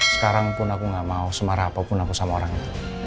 sekarang pun aku gak mau semarah apapun aku sama orang itu